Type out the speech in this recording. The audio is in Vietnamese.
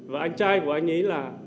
và anh trai của anh ấy là